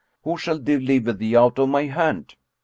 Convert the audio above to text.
Who shall deliver thee out of my hand?"